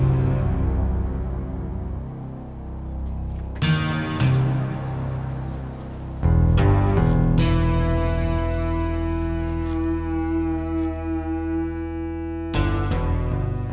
untuk mengetahui asal rindaku